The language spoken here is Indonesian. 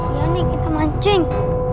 seseorang nih kita mancing